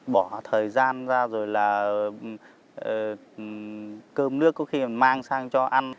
bỏ thời gian ra rồi là cơm nước có khi mà mang sang cho ăn